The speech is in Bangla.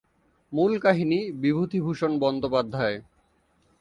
মূল কাহিনী বিভূতিভূষণ বন্দ্যোপাধ্যায়।